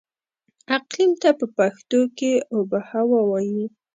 اقليم ته په پښتو کې اوبههوا وايي.